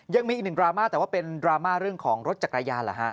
ยังมีอีกหนึ่งดราม่าแต่ว่าเป็นดราม่าเรื่องของรถจักรยานเหรอฮะ